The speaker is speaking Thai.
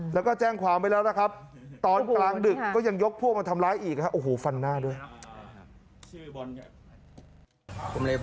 แล้วก็แจ้งความไปแล้วนะครับตอนกลางดึกก็ยังยกพวกมาทำร้ายอีกนะครับ